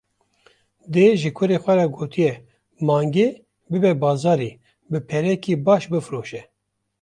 Dê ji kurê xwe re gotiye: Mangê bibe bazarê, bi perekî baş bifroşe.